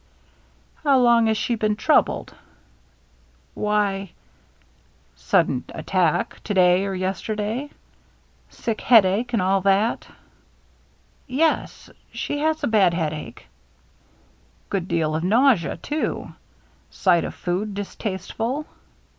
" How long has she been troubled ?" THE MEETING 325 "Why —"" Sudden attack, to day or yesterday ? Sick headache, and all that ?"" Yes — she has a bad headache.'* " Good deal of nausea, too ? Sight of food distasteful